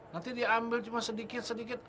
nanti diambil cuma sedikit sedikit